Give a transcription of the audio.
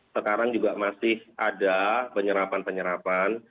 sekarang juga masih ada penyerapan penyerapan